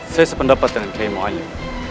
saya sependapat dengan kiai mohanyu